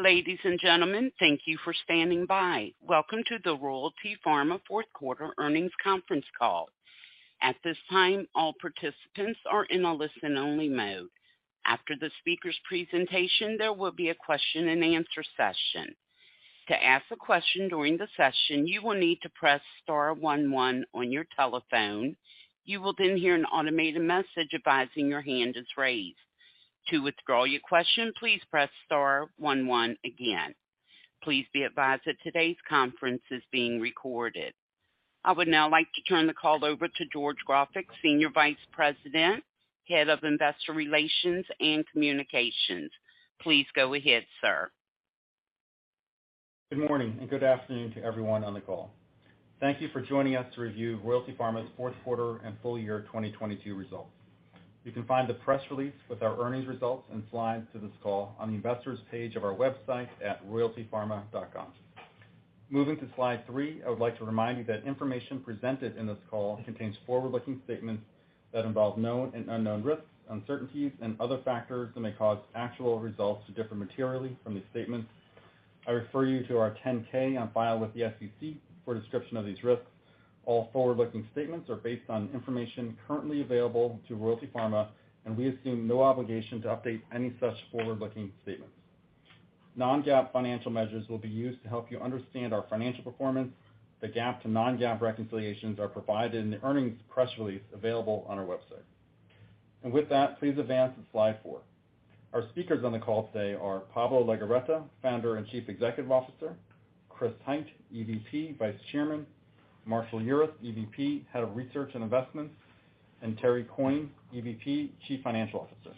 Ladies and gentlemen, thank you for standing by. Welcome to the Royalty Pharma Fourth Quarter Earnings Conference Call. At this time, all participants are in a listen-only mode. After the speaker's presentation, there will be a question-and-answer session. To ask a question during the session, you will need to press star one one on your telephone. You will then hear an automated message advising your hand is raised. To withdraw your question, please press star one one again. Please be advised that today's conference is being recorded. I would now like to turn the call over to George Grofik, Senior Vice President, Head of Investor Relations and Communications. Please go ahead, sir. Good morning, and good afternoon to everyone on the call. Thank you for joining us to review Royalty Pharma's fourth quarter and full year 2022 results. You can find the press release with our earnings results and slides to this call on the investors page of our website at royaltypharma.com. Moving to Slide 3, I would like to remind you that information presented in this call contains forward-looking statements that involve known and unknown risks, uncertainties and other factors that may cause actual results to differ materially from these statements. I refer you to our 10-K on file with the SEC for a description of these risks. We assume no obligation to update any such forward-looking statements. Non-GAAP financial measures will be used to help you understand our financial performance. The GAAP to non-GAAP reconciliations are provided in the earnings press release available on our website. With that, please advance to Slide 4. Our speakers on the call today are Pablo Legorreta, Founder and Chief Executive Officer, Christopher Hite, EVP, Vice Chairman, Marshall Urist, EVP, Head of Research & Investments, and Terrance Coyne, EVP & Chief Financial Officer.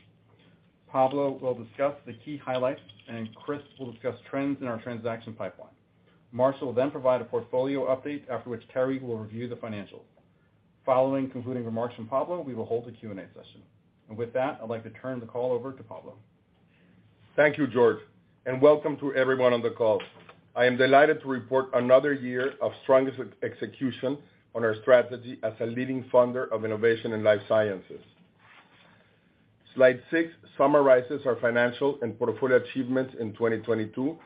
Pablo will discuss the key highlights, and Chris will discuss trends in our transaction pipeline. Marshall will then provide a portfolio update, after which Terry will review the financials. Following concluding remarks from Pablo, we will hold a Q&A session. With that, I'd like to turn the call over to Pablo. Thank you, George, and welcome to everyone on the call. I am delighted to report another year of strong execution on our strategy as a leading funder of innovation in life sciences. Slide 6 summarizes our financial and portfolio achievements in 2022,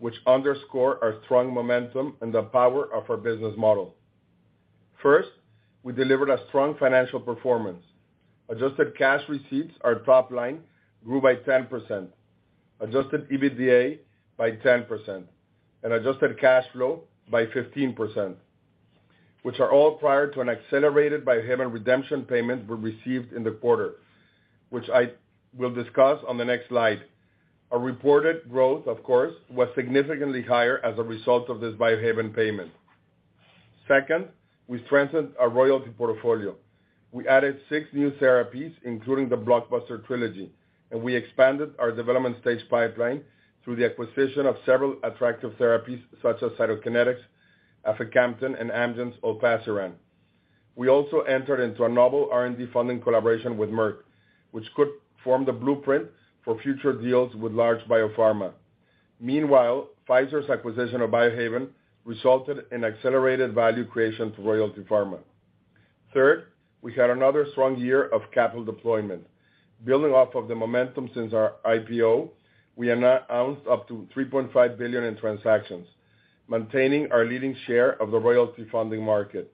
which underscore our strong momentum and the power of our business model. First, we delivered a strong financial performance. Adjusted Cash Receipts, our top line, grew by 10%, Adjusted EBITDA by 10%, and Adjusted Cash Flow by 15%, which are all prior to an accelerated Biohaven redemption payment we received in the quarter, which I will discuss on the next slide. Our reported growth, of course, was significantly higher as a result of this Biohaven payment. Second, we strengthened our royalty portfolio. We added six new therapies, including the Blockbuster Trelegy, and we expanded our development stage pipeline through the acquisition of several attractive therapies such as Cytokinetics, aficamten, and Amgen's olpasiran. We also entered into a novel R&D funding collaboration with Merck, which could form the blueprint for future deals with large biopharma. Pfizer's acquisition of Biohaven resulted in accelerated value creation for Royalty Pharma. Third, we had another strong year of capital deployment. Building off of the momentum since our IPO, we have now announced up to $3.5 billion in transactions, maintaining our leading share of the royalty funding market.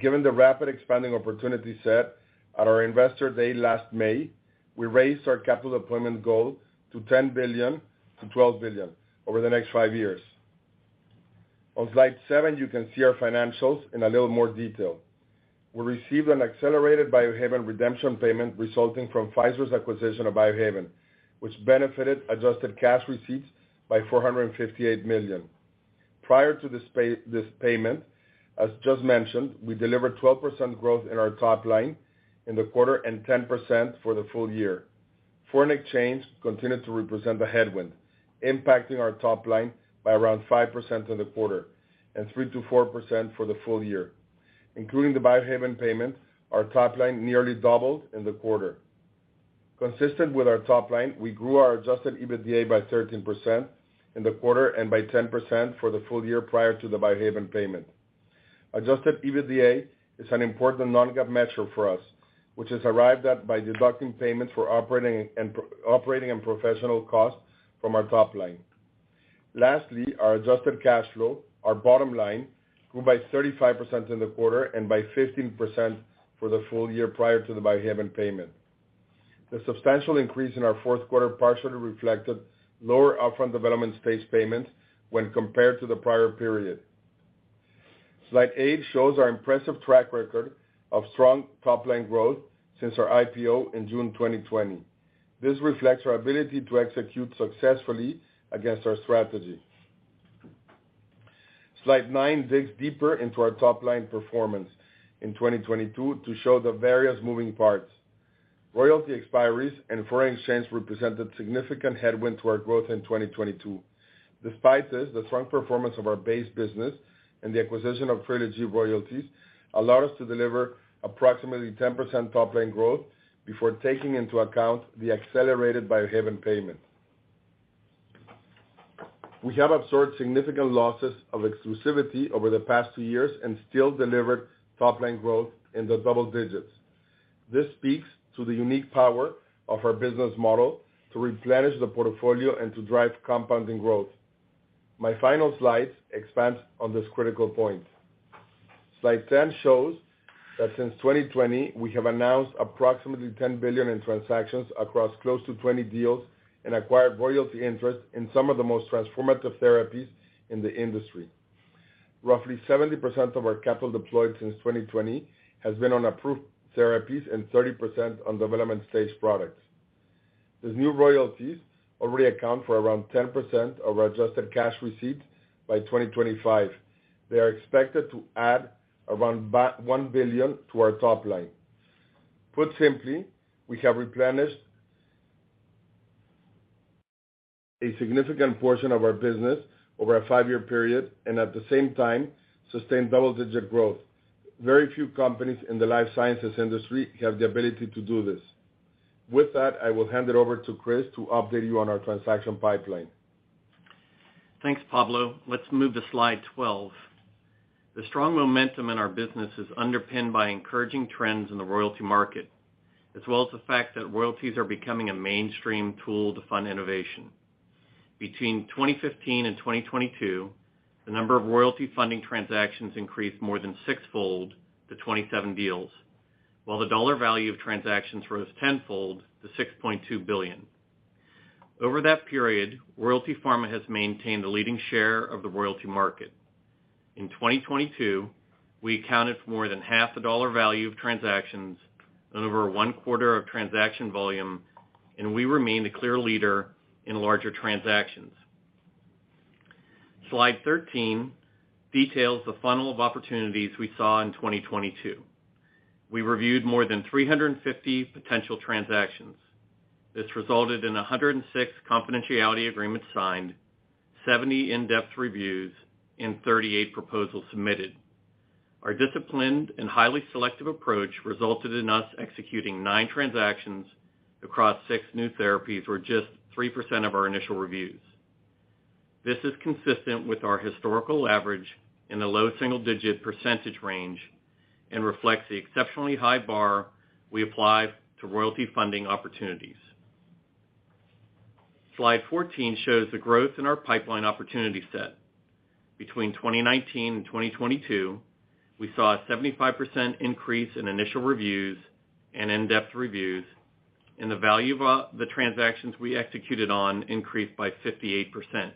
Given the rapid expanding opportunity set at our Investor Day last May, we raised our capital deployment goal to $10 billion-$12 billion over the next five years. On Slide 7, you can see our financials in a little more detail. We received an accelerated Biohaven redemption payment resulting from Pfizer's acquisition of Biohaven, which benefited Adjusted Cash Receipts by $458 million. Prior to this payment, as just mentioned, we delivered 12% growth in our top line in the quarter and 10% for the full year. Foreign exchange continued to represent the headwind, impacting our top line by around 5% in the quarter and 3%-4% for the full year. Including the Biohaven payment, our top line nearly doubled in the quarter. Consistent with our top line, we grew our Adjusted EBITDA by 13% in the quarter and by 10% for the full year prior to the Biohaven payment. Adjusted EBITDA is an important non-GAAP measure for us, which is arrived at by deducting payments for operating and professional costs from our top line. Lastly, our Adjusted Cash Flow, our bottom line, grew by 35% in the quarter and by 15% for the full year prior to the Biohaven payment. The substantial increase in our 4th quarter partially reflected lower upfront development space payments when compared to the prior period. Slide 8 shows our impressive track record of strong top-line growth since our IPO in June 2020. This reflects our ability to execute successfully against our strategy. Slide 9 digs deeper into our top-line performance in 2022 to show the various moving parts. Royalty expiries and foreign exchange represented significant headwind to our growth in 2022. Despite this, the strong performance of our base business and the acquisition of Trelegy royalties allowed us to deliver approximately 10% top-line growth before taking into account the accelerated Biohaven payment. We have absorbed significant losses of exclusivity over the past two years and still delivered top-line growth in the double digits. This speaks to the unique power of our business model to replenish the portfolio and to drive compounding growth. My final slide expands on this critical point. Slide 10 shows that since 2020, we have announced approximately $10 billion in transactions across close to 20 deals and acquired royalty interest in some of the most transformative therapies in the industry. Roughly 70% of our capital deployed since 2020 has been on approved therapies and 30% on development-stage products. These new royalties already account for around 10% of our Adjusted Cash Receipts by 2025. They are expected to add around $1 billion to our top line. Put simply, we have replenished a significant portion of our business over a five-year period, and at the same time, sustained double-digit growth. Very few companies in the life sciences industry have the ability to do this. With that, I will hand it over to Chris Hite to update you on our transaction pipeline. Thanks, Pablo. Let's move to Slide 12. The strong momentum in our business is underpinned by encouraging trends in the royalty market, as well as the fact that royalties are becoming a mainstream tool to fund innovation. Between 2015 and 2022, the number of royalty funding transactions increased more than six-fold to 27 deals, while the dollar value of transactions rose 10-fold to $6.2 billion. Over that period, Royalty Pharma has maintained a leading share of the royalty market. In 2022, we accounted for more than half the dollar value of transactions, over 1/4 of transaction volume, and we remain the clear leader in larger transactions. Slide 13 details the funnel of opportunities we saw in 2022. We reviewed more than 350 potential transactions. This resulted in 106 confidentiality agreements signed, 70 in-depth reviews, and 38 proposals submitted. Our disciplined and highly selective approach resulted in us executing 9 transactions across 6 new therapies for just 3% of our initial reviews. This is consistent with our historical average in the low single-digit percentage range and reflects the exceptionally high bar we apply to royalty funding opportunities. Slide 14 shows the growth in our pipeline opportunity set. Between 2019 and 2022, we saw a 75% increase in initial reviews and in-depth reviews, and the value of the transactions we executed on increased by 58%.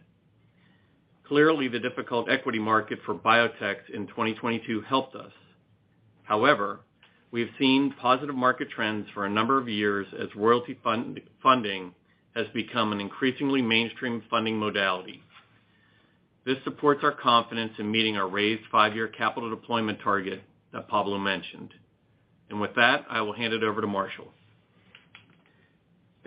Clearly, the difficult equity market for biotech in 2022 helped us. However, we have seen positive market trends for a number of years as royalty funding has become an increasingly mainstream funding modality. This supports our confidence in meeting our raised five-year capital deployment target that Pablo mentioned. With that, I will hand it over to Marshall.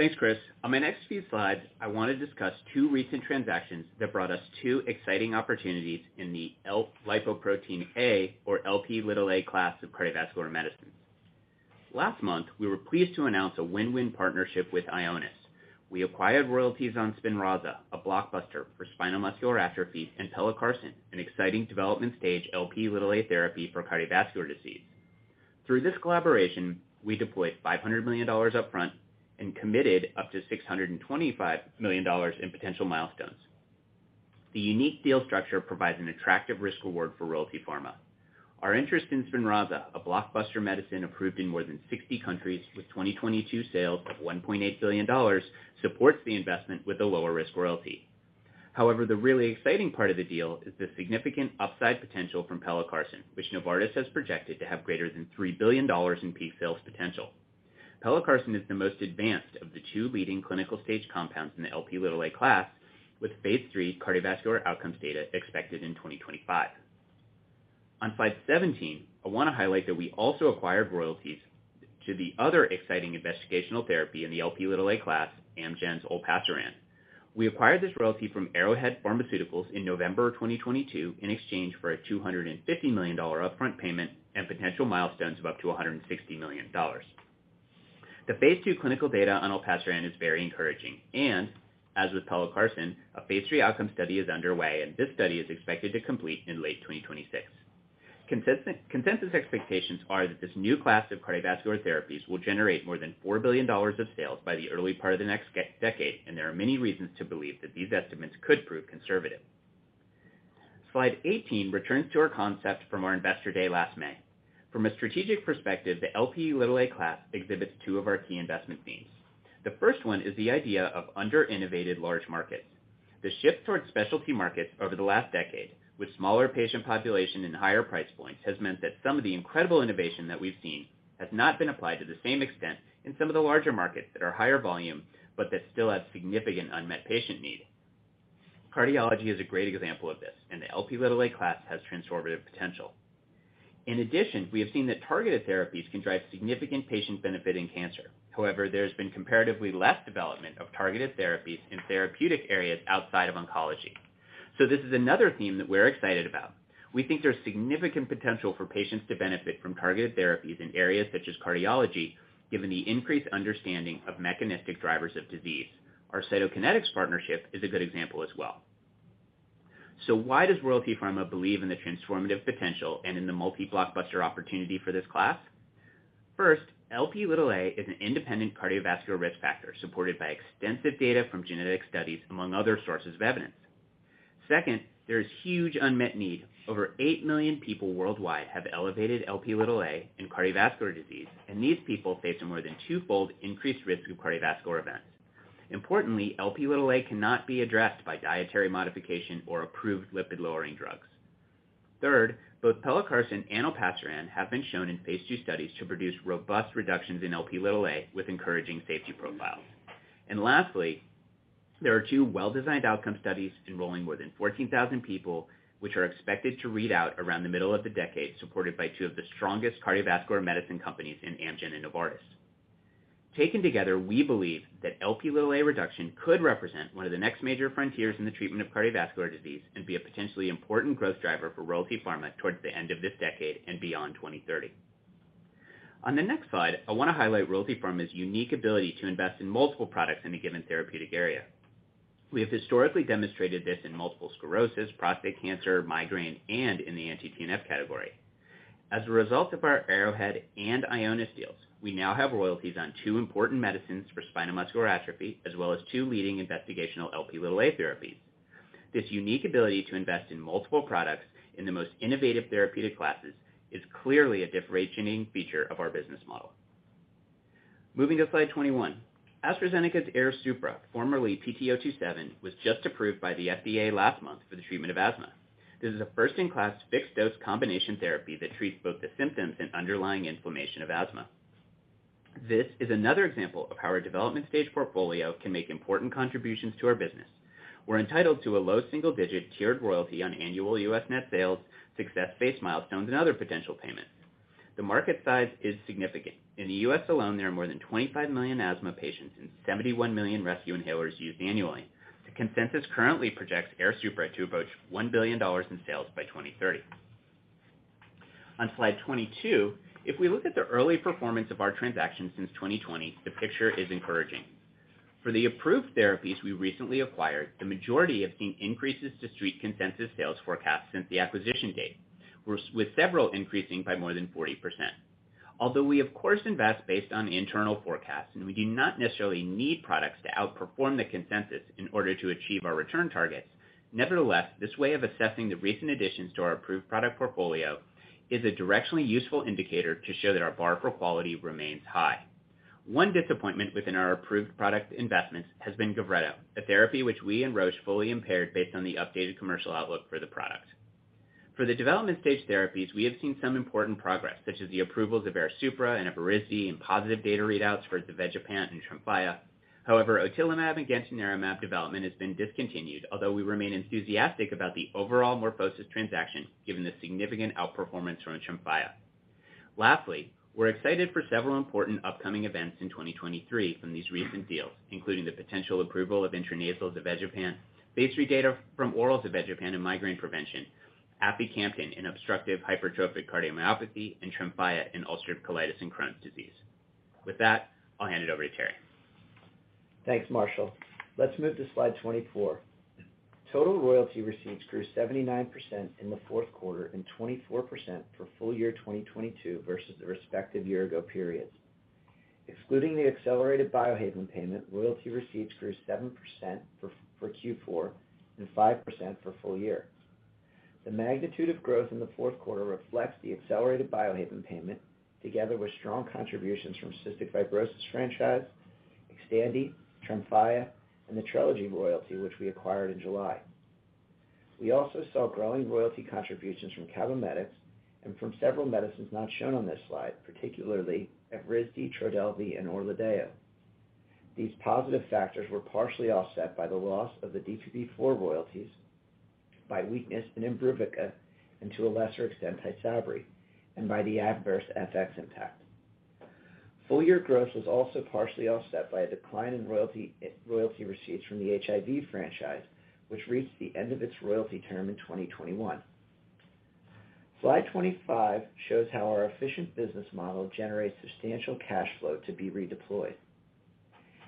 Thanks, Chris. On my next few slides, I want to discuss two recent transactions that brought us two exciting opportunities in the L-lipoprotein A, or Lp, class of cardiovascular medicine. Last month, we were pleased to announce a win-win partnership with Ionis. We acquired royalties on SPINRAZA, a blockbuster for spinal muscular atrophy, and pelacarsen, an exciting development stage Lp therapy for cardiovascular disease. Through this collaboration, we deployed $500 million up front and committed up to $625 million in potential milestones. The unique deal structure provides an attractive risk reward for Royalty Pharma. Our interest in SPINRAZA, a blockbuster medicine approved in more than 60 countries with 2022 sales of $1.8 billion, supports the investment with a lower risk royalty. The really exciting part of the deal is the significant upside potential from Pelacarsen, which Novartis has projected to have greater than $3 billion in peak sales potential. Pelacarsen is the most advanced of the two leading clinical-stage compounds in the Lp class, with Phase 3 cardiovascular outcomes data expected in 2025. On Slide 17, I wanna highlight that we also acquired royalties to the other exciting investigational therapy in the Lp class, Amgen's Olpasiran. We acquired this royalty from Arrowhead Pharmaceuticals in November 2022 in exchange for a $250 million upfront payment and potential milestones of up to $160 million. The Phase 2 clinical data on Olpasiran is very encouraging. As with Pelacarsen, a Phase 3 outcome study is underway, and this study is expected to complete in late 2026. Consensus expectations are that this new class of cardiovascular therapies will generate more than $4 billion of sales by the early part of the next decade. There are many reasons to believe that these estimates could prove conservative. Slide 18 returns to our concept from our Investor Day last May. From a strategic perspective, the Lp class Exhibits 2 of our key investment themes. The first one is the idea of under-innovated large markets. The shift towards specialty markets over the last decade, with smaller patient population and higher price points, has meant that some of the incredible innovation that we've seen has not been applied to the same extent in some of the larger markets that are higher volume, but that still have significant unmet patient need. Cardiology is a great example of this. The Lp class has transformative potential. In addition, we have seen that targeted therapies can drive significant patient benefit in cancer. However, there's been comparatively less development of targeted therapies in therapeutic areas outside of oncology. This is another theme that we're excited about. We think there's significant potential for patients to benefit from targeted therapies in areas such as cardiology, given the increased understanding of mechanistic drivers of disease. Our Cytokinetics partnership is a good example as well. Why does Royalty Pharma believe in the transformative potential and in the multi-blockbuster opportunity for this class? First, Lp is an independent cardiovascular risk factor supported by extensive data from genetic studies, among other sources of evidence. Second, there is huge unmet need. Over 8 million people worldwide have elevated Lp and cardiovascular disease, and these people face a more than twofold increased risk of cardiovascular events. Importantly, Lp cannot be addressed by dietary modification or approved lipid-lowering drugs. Third, both pelacarsen and olpasiran have been shown in Phase 2 studies to produce robust reductions in Lp with encouraging safety profiles. Lastly, there are two well-designed outcome studies enrolling more than 14,000 people, which are expected to read out around the middle of the decade, supported by two of the strongest cardiovascular medicine companies in Amgen and Novartis. Taken together, we believe that Lp reduction could represent one of the next major frontiers in the treatment of cardiovascular disease and be a potentially important growth driver for Royalty Pharma towards the end of this decade and beyond 2030. On the next slide, I wanna highlight Royalty Pharma's unique ability to invest in multiple products in a given therapeutic area. We have historically demonstrated this in multiple sclerosis, prostate cancer, migraine, and in the anti-TNF category. As a result of our Arrowhead and Ionis deals, we now have royalties on two important medicines for spinal muscular atrophy, as well as two leading investigational Lp(a) therapies. This unique ability to invest in multiple products in the most innovative therapeutic classes is clearly a differentiating feature of our business model. Moving to Slide 21, AstraZeneca's AIRSUPRA, formerly PT027, was just approved by the FDA last month for the treatment of asthma. This is a first-in-class fixed-dose combination therapy that treats both the symptoms and underlying inflammation of asthma. This is another example of how our development stage portfolio can make important contributions to our business. We're entitled to a low single-digit tiered royalty on annual U.S. net sales, success-based milestones, and other potential payments. The market size is significant. In the U.S. alone, there are more than $25 million asthma patients and $71 million rescue inhalers used annually. The consensus currently projects AIRSUPRA to approach $1 billion in sales by 2030. On Slide 22, if we look at the early performance of our transactions since 2020, the picture is encouraging. For the approved therapies we recently acquired, the majority have seen increases to street consensus sales forecasts since the acquisition date, with several increasing by more than 40%. Although we of course invest based on internal forecasts, and we do not necessarily need products to outperform the consensus in order to achieve our return targets, nevertheless, this way of assessing the recent additions to our approved product portfolio is a directionally useful indicator to show that our bar for quality remains high. One disappointment within our approved product investments has been GAVRETO, a therapy which we and Roche fully impaired based on the updated commercial outlook for the product. For the development stage therapies, we have seen some important progress, such as the approvals of AIRSUPRA and Evrysdi and positive data readouts for zavegepant and TREMFYA. Otilimab and gantenerumab development has been discontinued, although we remain enthusiastic about the overall MorphoSys transaction given the significant outperformance from TREMFYA. We're excited for several important upcoming events in 2023 from these recent deals, including the potential approval of intranasal zavegepant, Phase 3 data from oral zavegepant in migraine prevention, aficamten in obstructive hypertrophic cardiomyopathy, and TREMFYA in ulcerative colitis and Crohn's disease. With that, I'll hand it over to Terry. Thanks, Marshall. Let's move to Slide 24. Total royalty receipts grew 79% in the 4th quarter and 24% for full year 2022 versus the respective year ago periods. Excluding the accelerated Biohaven payment, royalty receipts grew 7% for Q4 and 5% for full year. The magnitude of growth in the 4th quarter reflects the accelerated Biohaven payment together with strong contributions from cystic fibrosis franchise, XTANDI, TREMFYA, and the Trelegy royalty, which we acquired in July. We also saw growing royalty contributions from CABOMETYX and from several medicines not shown on this slide, particularly Evrysdi, TRODELVY, and ORLADEYO. These positive factors were partially offset by the loss of the DPP-4 royalties by weakness in IMBRUVICA and to a lesser extent, TYSABRI, and by the adverse FX impact. Full year growth was also partially offset by a decline in royalty receipts from the HIV franchise, which reached the end of its royalty term in 2021. Slide 25 shows how our efficient business model generates substantial cash flow to be redeployed.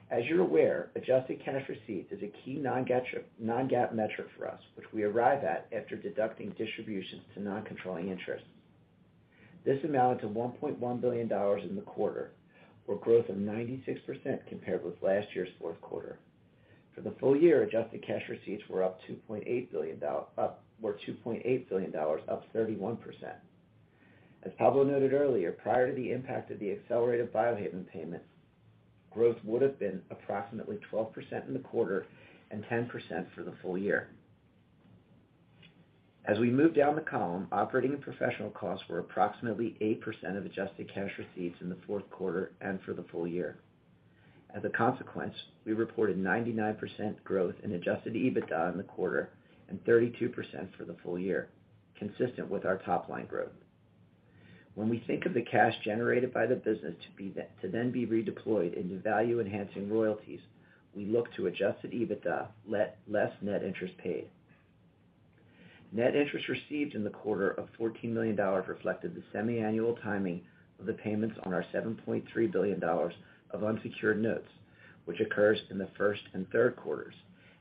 As you're aware, Adjusted Cash Receipts is a key non-GAAP metric for us, which we arrive at after deducting distributions to non-controlling interests. This amounted to $1.1 billion in the quarter or growth of 96% compared with last year's fourth quarter. For the full year, Adjusted Cash Receipts were $2.8 billion up 31%. As Pablo noted earlier, prior to the impact of the accelerated Biohaven payment, growth would've been approximately 12% in the quarter and 10% for the full year. As we move down the column, operating and professional costs were approximately 8% of Adjusted Cash Receipts in the fourth quarter and for the full year. As a consequence, we reported 99% growth in Adjusted EBITDA in the quarter and 32% for the full year, consistent with our top-line growth. When we think of the cash generated by the business to then be redeployed into value-enhancing royalties, we look to Adjusted EBITDA less net interest paid. Net interest received in the quarter of $14 million reflected the semiannual timing of the payments on our $7.3 billion of unsecured notes, which occurs in the first and third quarters,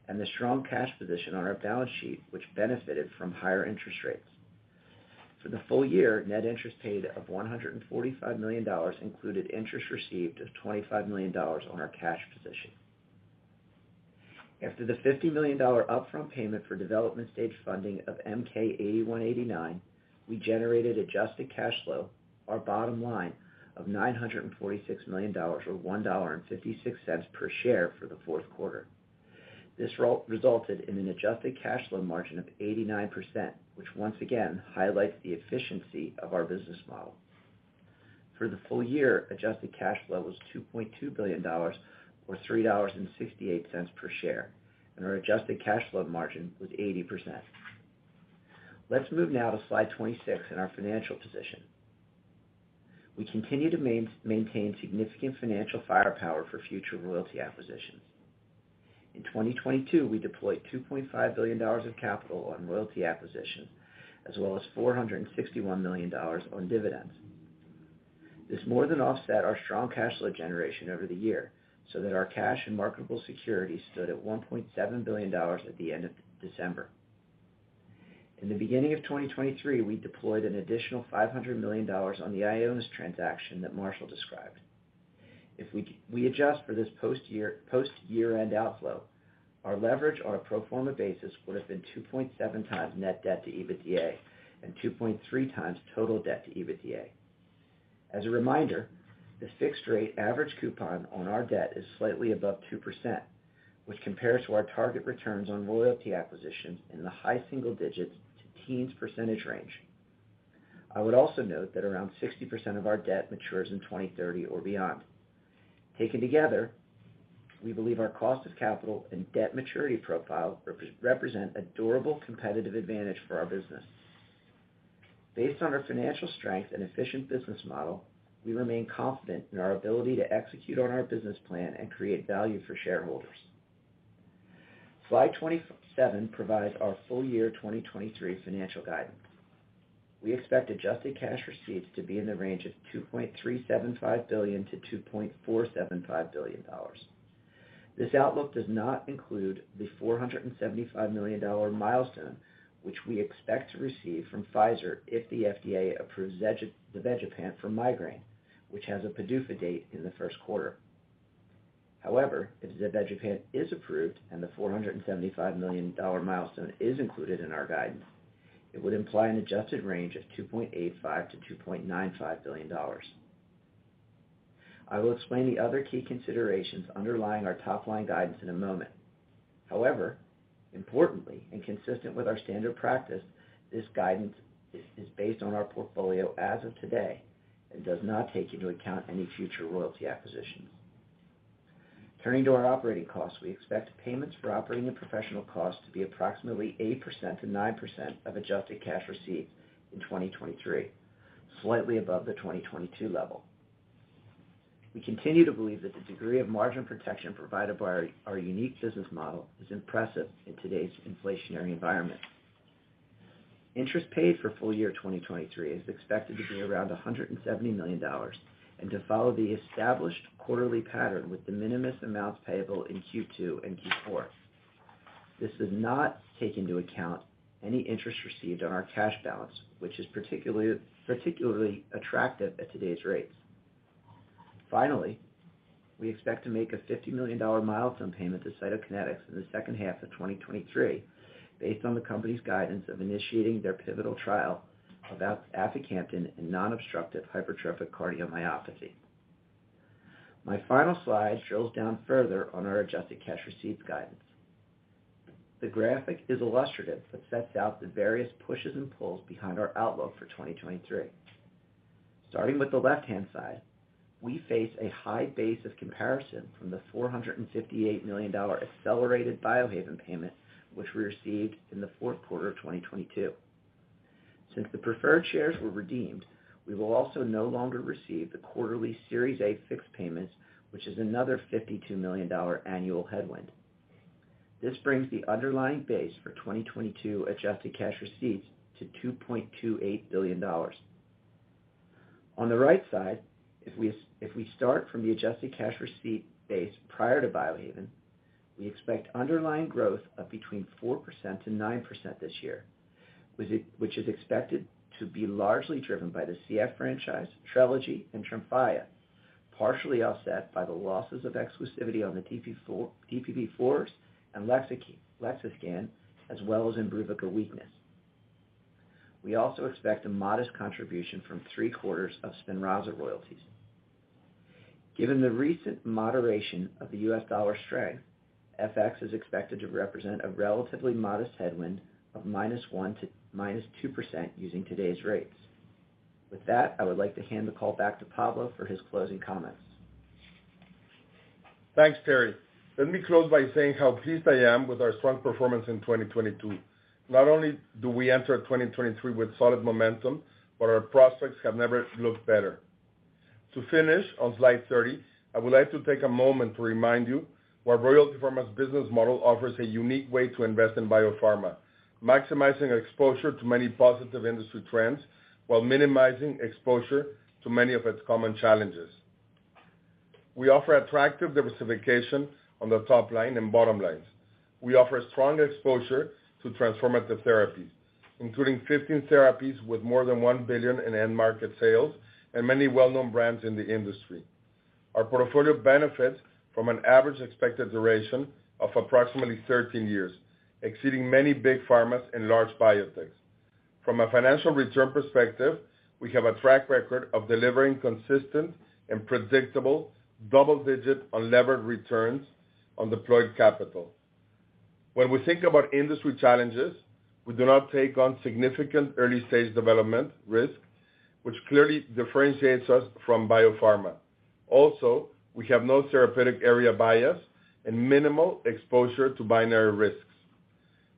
and the strong cash position on our balance sheet, which benefited from higher interest rates. For the full year, net interest paid of $145 million included interest received of $25 million on our cash position. After the $50 million upfront payment for development stage funding of MK-8189, we generated Adjusted Cash Flow, our bottom line of $946 million or $1.56 per share for the fourth quarter. This resulted in an Adjusted Cash Flow margin of 89%, which once again highlights the efficiency of our business model. For the full year, Adjusted Cash Flow was $2.2 billion or $3.68 per share, and our Adjusted Cash Flow margin was 80%. Let's move now to Slide 26 and our financial position. We continue to maintain significant financial firepower for future royalty acquisitions. In 2022, we deployed $2.5 billion of capital on royalty acquisitions, as well as $461 million on dividends. That more than offset our strong cash flow generation over the year, so that our cash and marketable security stood at $1.7 billion at the end of December. In the beginning of 2023, we deployed an additional $500 million on the Ionis transaction that Marshall described. If we adjust for this post-year, post year-end outflow, our leverage on a pro forma basis would have been 2.7x net debt to EBITDA and 2.3x total debt to EBITDA. As a reminder, the fixed rate average coupon on our debt is slightly above 2%, which compares to our target returns on royalty acquisitions in the high single digits to teens percentage range. I would also note that around 60% of our debt matures in 2030 or beyond. Taken together, we believe our cost of capital and debt maturity profile represent a durable competitive advantage for our business. Based on our financial strength and efficient business model, we remain confident in our ability to execute on our business plan and create value for shareholders. Slide 27 provides our full year 2023 financial guidance. We expect Adjusted Cash Receipts to be in the range of $2.375 billion-$2.475 billion. This outlook does not include the $475 million milestone, which we expect to receive from Pfizer if the FDA approves zavegepant for migraine, which has a PDUFA date in the first quarter. However, if zavegepant is approved and the $475 million milestone is included in our guidance, it would imply an adjusted range of $2.85 billion-$2.95 billion. I will explain the other key considerations underlying our top-line guidance in a moment. However, importantly, and consistent with our standard practice, this guidance is based on our portfolio as of today and does not take into account any future royalty acquisitions. Turning to our operating costs, we expect payments for operating and professional costs to be approximately 8%-9% of Adjusted Cash Receipts in 2023, slightly above the 2022 level. We continue to believe that the degree of margin protection provided by our unique business model is impressive in today's inflationary environment. Interest paid for full year 2023 is expected to be around $170 million and to follow the established quarterly pattern with de minimis amounts payable in Q2 and Q4. This does not take into account any interest received on our cash balance, which is particularly attractive at today's rates. We expect to make a $50 million milestone payment to Cytokinetics in the second half of 2023, based on the company's guidance of initiating their pivotal trial of aficamten in non-obstructive hypertrophic cardiomyopathy. My final slide drills down further on our Adjusted Cash Receipts guidance. The graphic is illustrative, sets out the various pushes and pulls behind our outlook for 2023. Starting with the left-hand side, we face a high base of comparison from the $458 million accelerated Biohaven payment, which we received in the fourth quarter of 2022. Since the preferred shares were redeemed, we will also no longer receive the quarterly Series A fixed payments, which is another $52 million annual headwind. This brings the underlying base for 2022 Adjusted Cash Receipts to $2.28 billion. On the right side, if we start from the Adjusted Cash Receipt base prior to Biohaven, we expect underlying growth of between 4%-9% this year, which is expected to be largely driven by the CF franchise, Trelstar, and TREMFYA, partially offset by the losses of exclusivity on the DPP-4s and Lexiscan, as well as IMBRUVICA weakness. We also expect a modest contribution from 3 quarters of SPINRAZA royalties. Given the recent moderation of the US dollar strength, FX is expected to represent a relatively modest headwind of -1% to -2% using today's rates. With that, I would like to hand the call back to Pablo for his closing comments. Thanks, Terry. Let me close by saying how pleased I am with our strong performance in 2022. Not only do we enter 2023 with solid momentum, but our prospects have never looked better. To finish on Slide 30, I would like to take a moment to remind you why Royalty Pharma's business model offers a unique way to invest in biopharma, maximizing exposure to many positive industry trends while minimizing exposure to many of its common challenges. We offer attractive diversification on the top line and bottom lines. We offer strong exposure to transformative therapies, including 15 therapies with more than $1 billion in end market sales and many well-known brands in the industry. Our portfolio benefits from an average expected duration of approximately 13 years, exceeding many big pharmas and large biotechs. From a financial return perspective, we have a track record of delivering consistent and predictable double-digit unlevered returns on deployed capital. When we think about industry challenges, we do not take on significant early-stage development risk, which clearly differentiates us from biopharma. We have no therapeutic area bias and minimal exposure to binary risks.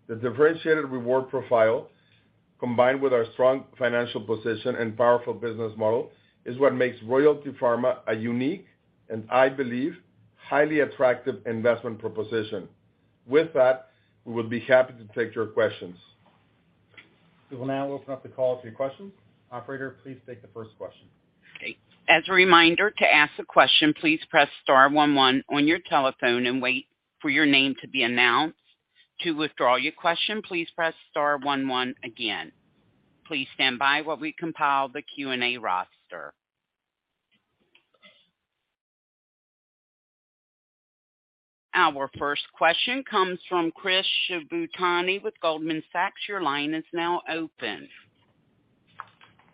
The differentiated reward profile, combined with our strong financial position and powerful business model, is what makes Royalty Pharma a unique, and I believe, highly attractive investment proposition. With that, we will be happy to take your questions. We will now open up the call to questions. Operator, please take the first question. Okay. As a reminder, to ask a question, please press star one one on your telephone and wait for your name to be announced. To withdraw your question, please press star one one again. Please stand by while we compile the Q&A roster. Our first question comes from Chris Shibutani with Goldman Sachs. Your line is now open.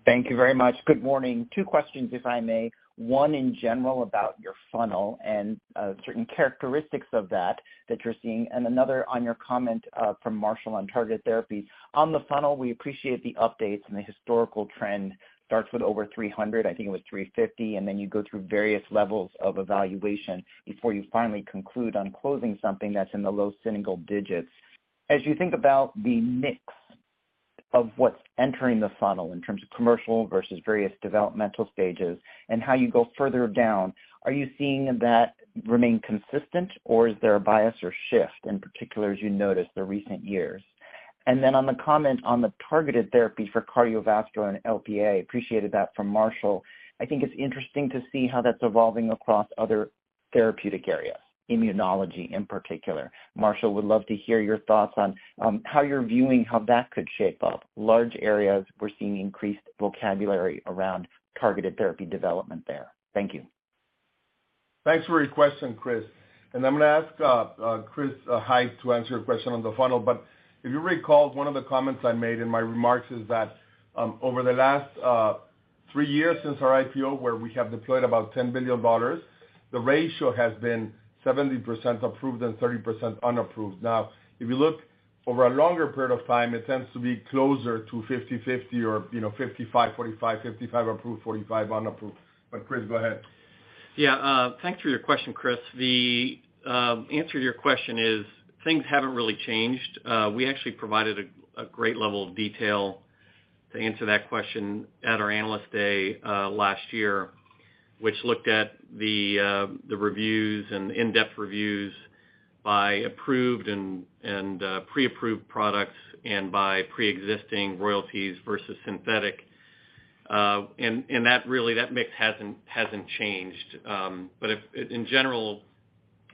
Thank you very much. Good morning. Two questions, if I may. One in general about your funnel and certain characteristics of that you're seeing, and another on your comment from Marshall on targeted therapy. On the funnel, we appreciate the updates and the historical trend starts with over 300, I think it was 350, and then you go through various levels of evaluation before you finally conclude on closing something that's in the low single digits. As you think about the mix of what's entering the funnel in terms of commercial versus various developmental stages and how you go further down, are you seeing that remain consistent or is there a bias or shift, in particular, as you notice the recent years? On the comment on the targeted therapy for cardiovascular and Lp(a), appreciated that from Marshall. I think it's interesting to see how that's evolving across other therapeutic areas, immunology in particular. Marshall, would love to hear your thoughts on how you're viewing how that could shape up. Large areas, we're seeing increased vocabulary around targeted therapy development there. Thank you. Thanks for your question, Chris. I'm gonna ask Chris Hite to answer your question on the funnel. If you recall, one of the comments I made in my remarks is that over the last three years since our IPO, where we have deployed about $10 billion, the ratio has been 70% approved and 30% unapproved. Now, if you look over a longer period of time, it tends to be closer to 50/50 or, you know, 55/45, 55 approved, 45 unapproved. Chris, go ahead. Thanks for your question, Chris. The answer to your question is things haven't really changed. We actually provided a great level of detail to answer that question at our Analyst Day last year, which looked at the reviews and in-depth reviews by approved and pre-approved products and by pre-existing royalties versus synthetic. That really, that mix hasn't changed. But in general,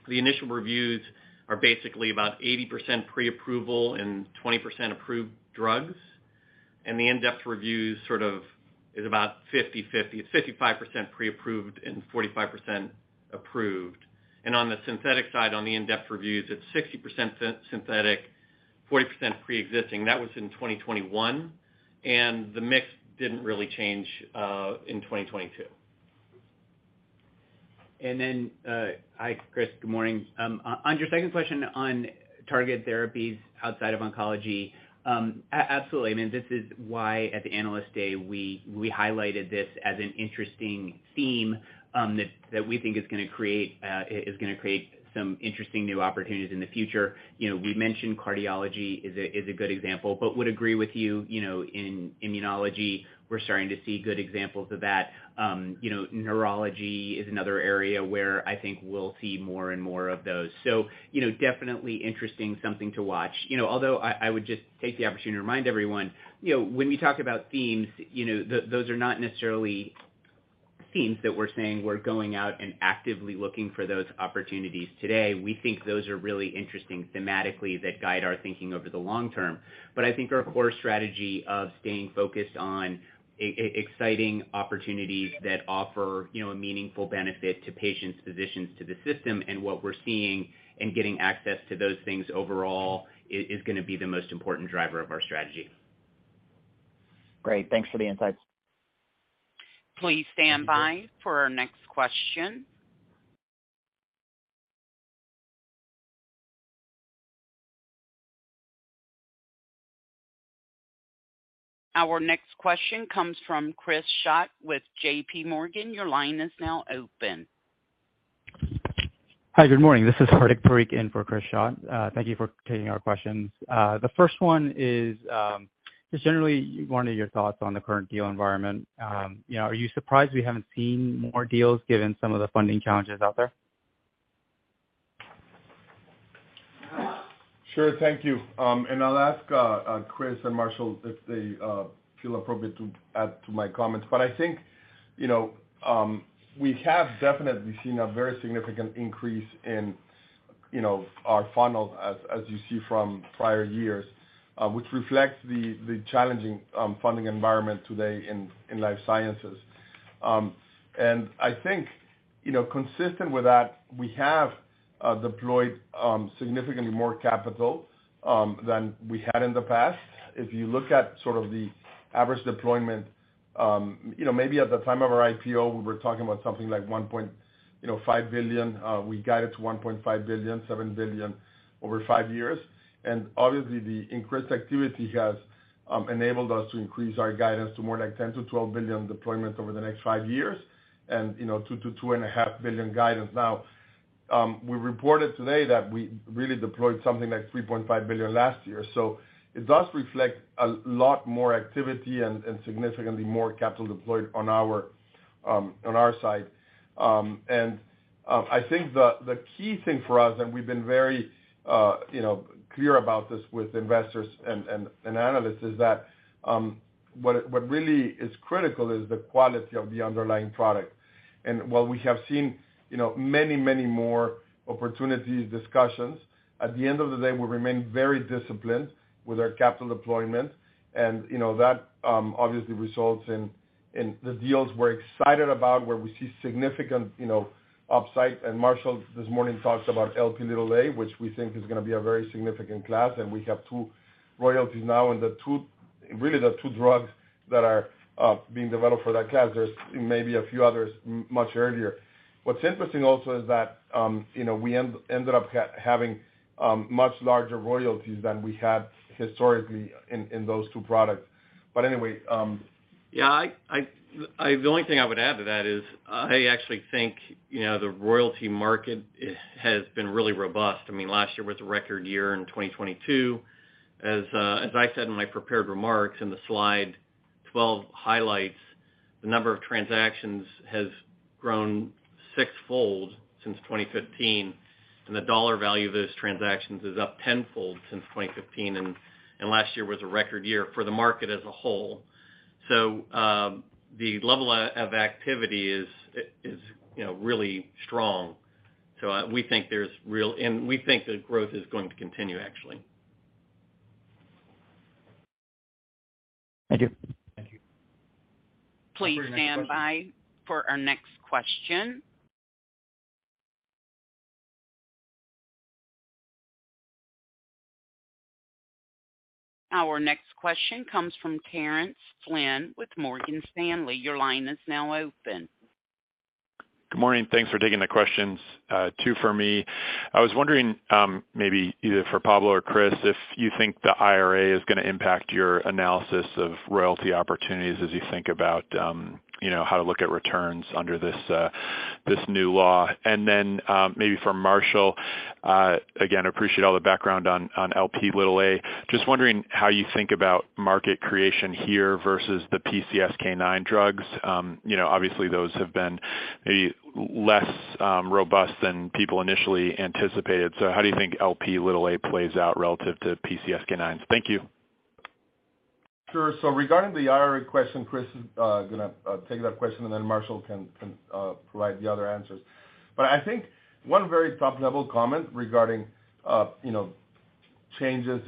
the initial reviews are basically about 80% pre-approval and 20% approved drugs. The in-depth reviews sort of is about 50/50. It's 55% pre-approved and 45% approved. On the synthetic side, on the in-depth reviews, it's 60% synthetic, 40% pre-existing. That was in 2021, and the mix didn't really change in 2022. Hi, Chris. Good morning. On your second question on targeted therapies outside of oncology, absolutely. I mean, this is why at the Analyst Day, we highlighted this as an interesting theme that we think is gonna create some interesting new opportunities in the future. You know, we mentioned cardiology is a good example, but would agree with you know, in immunology, we're starting to see good examples of that. You know, neurology is another area where I think we'll see more and more of those. You know, definitely interesting, something to watch. You know, although I would just take the opportunity to remind everyone, you know, when we talk about themes, you know, those are not necessarily themes that we're saying we're going out and actively looking for those opportunities today. We think those are really interesting thematically that guide our thinking over the long term. I think our core strategy of staying focused on exciting opportunities that offer, you know, a meaningful benefit to patients, physicians to the system, and what we're seeing and getting access to those things overall is gonna be the most important driver of our strategy. Great. Thanks for the insights. Please stand by for our next question. Our next question comes from Chris Schott with JPMorgan. Your line is now open. Hi, good morning. This is Hardik Parikh in for Chris Schott. Thank you for taking our questions. The first one is, just generally wanting your thoughts on the current deal environment. You know, are you surprised we haven't seen more deals given some of the funding challenges out there? Sure. Thank you. I'll ask Chris and Marshall if they feel appropriate to add to my comments. I think, you know, we have definitely seen a very significant increase in, you know, our funnels as you see from prior years, which reflects the challenging funding environment today in life sciences. I think, you know, consistent with that, we have deployed significantly more capital than we had in the past. If you look at sort of the average deployment, you know, maybe at the time of our IPO, we were talking about something like $1.5 billion, we guided to $1.5 billion, $7 billion over 5 years. Obviously the increased activity has enabled us to increase our guidance to more like $10 billion-$12 billion deployments over the next five years and, you know, $2 billion-$2.5 billion guidance now. We reported today that we really deployed something like $3.5 billion last year. It does reflect a lot more activity and significantly more capital deployed on our side. I think the key thing for us, and we've been very, you know, clear about this with investors and analysts, is that what really is critical is the quality of the underlying product. While we have seen, you know, many, many more opportunities, discussions, at the end of the day, we remain very disciplined with our capital deployment. You know, that obviously results in the deals we're excited about where we see significant, you know, upside. Marshall this morning talked about Lp(a), which we think is gonna be a very significant class, and we have two royalties now, really the two drugs that are being developed for that class. There's maybe a few others much earlier. What's interesting also is that, you know, we ended up having much larger royalties than we had historically in those two products. Anyway. Yeah, I the only thing I would add to that is I actually think, you know, the royalty market has been really robust. I mean, last year was a record year in 2022. As I said in my prepared remarks in the Slide 12 highlights, the number of transactions has grown sixfold since 2015, and the dollar value of those transactions is up tenfold since 2015, and last year was a record year for the market as a whole. The level of activity is, you know, really strong. We think there's real. We think the growth is going to continue actually. Thank you. Thank you. Please stand by for our next question. Our next question comes from Terence Flynn with Morgan Stanley. Your line is now open. Good morning. Thanks for taking the questions, two for me. I was wondering, maybe either for Pablo or Chris, if you think the IRA is gonna impact your analysis of royalty opportunities as you think about, you know, how to look at returns under this new law. Then, maybe for Marshall, again, appreciate all the background on Lp(a). Just wondering how you think about market creation here versus the PCSK9 drugs. You know, obviously, those have been maybe less robust than people initially anticipated. How do you think Lp(a) plays out relative to PCSK9? Thank you. Sure. Regarding the IRA question, Chris is gonna take that question, and then Marshall can provide the other answers. I think one very top-level comment regarding, you know, changes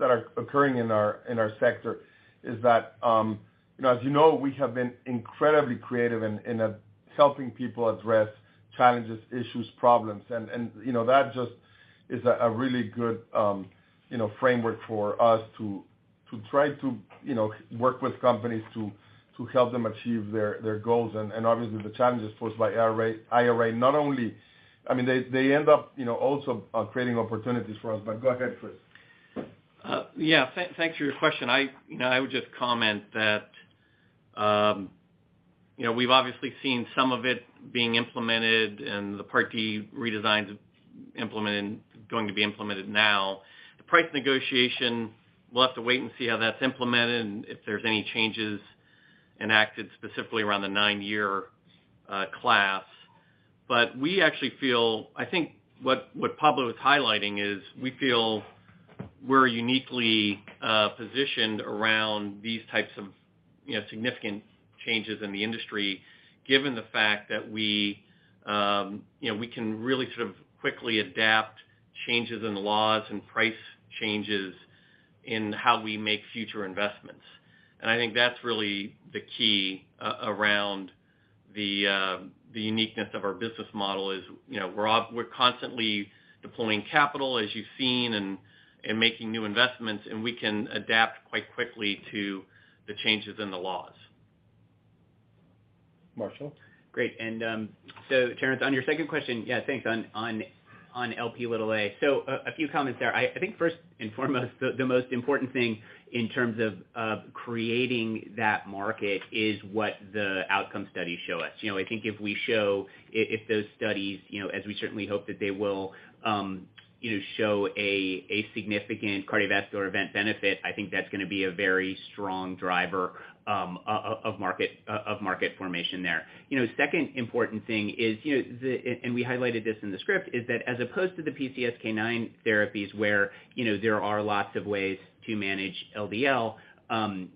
that are occurring in our, in our sector is that, you know, as you know, we have been incredibly creative in helping people address challenges, issues, problems. And, you know, that just is a really good, you know, framework for us to try to, you know, work with companies to help them achieve their goals and obviously the challenges posed by IRA, not only... I mean, they end up, you know, also creating opportunities for us. Go ahead, Chris. Yeah. Thanks for your question. I, you know, I would just comment that, you know, we've obviously seen some of it being implemented and the Part D redesigns implemented now. The price negotiation, we'll have to wait and see how that's implemented and if there's any changes enacted specifically around the nine-year class. We actually feel. I think what Pablo is highlighting is we feel we're uniquely positioned around these types of, you know, significant changes in the industry, given the fact that we, you know, we can really sort of quickly adapt changes in the laws and price changes in how we make future investments. I think that's really the key around the uniqueness of our business model is, you know, we're constantly deploying capital, as you've seen, and making new investments, and we can adapt quite quickly to the changes in the laws. Marshall. Great. Terence, on your second question, yeah, thanks on Lp(a). A few comments there. I think first and foremost, the most important thing in terms of creating that market is what the outcome studies show us. You know, I think if those studies, you know, as we certainly hope that they will, you know, show a significant cardiovascular event benefit, I think that's gonna be a very strong driver of market, of market formation there. You know, second important thing is, you know, and we highlighted this in the script, is that as opposed to the PCSK9 therapies where, you know, there are lots of ways to manage LDL,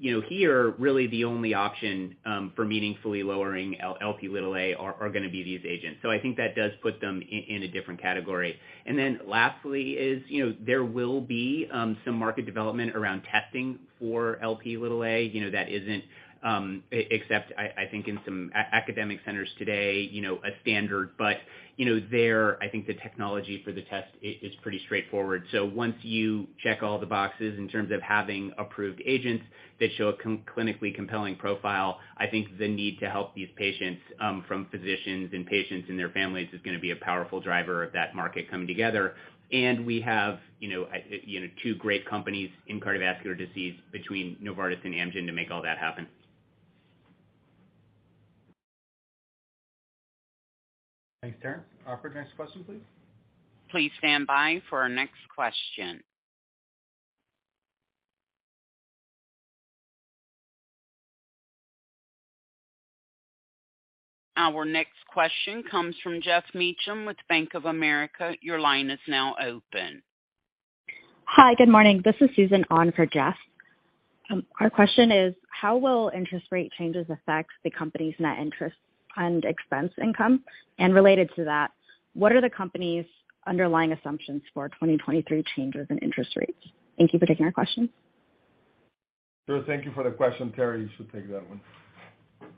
you know, here, really the only option for meaningfully lowering Lp(a) are gonna be these agents. I think that does put them in a different category. Then lastly is, you know, there will be some market development around testing for Lp(a). You know, that isn't, except, I think in some academic centers today, you know, a standard. You know, there, I think the technology for the test is pretty straightforward. Once you check all the boxes in terms of having approved agents that show a clinically compelling profile, I think the need to help these patients from physicians and patients and their families is gonna be a powerful driver of that market coming together. We have, you know, you know, two great companies in cardiovascular disease between Novartis and Amgen to make all that happen. Thanks, Terence. Operator, next question, please. Please stand by for our next question. Our next question comes from Geoff Meacham with Bank of America. Your line is now open. Hi, good morning. This is Susan on for Geoff. Our question is, how will interest rate changes affect the company's net interest and expense income? Related to that, what are the company's underlying assumptions for 2023 changes in interest rates? Thank you for taking our question. Sure, thank you for the question. Terry, you should take that one.